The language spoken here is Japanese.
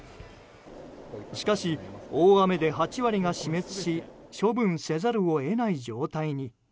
しかし、大雨で８割が死滅し処分せざるを得ない状態に。